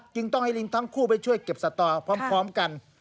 จึงต้องให้ลิงทั้งคู่ไปช่วยเก็บสตอพร้อมกัน